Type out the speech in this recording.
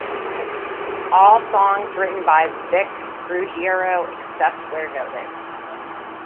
All songs written by Vic Ruggiero, except where noted.